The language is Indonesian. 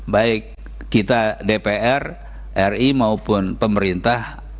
baik kita dpr ri maupun pemerintah